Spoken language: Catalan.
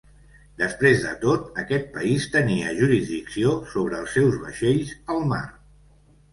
Després de tot, aquest país tenia jurisdicció sobre els seus vaixells al mar.